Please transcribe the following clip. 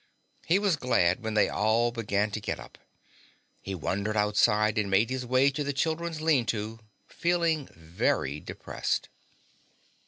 He was glad when they all began to get up. He wandered outside and made his way to the children's lean to, feeling very depressed.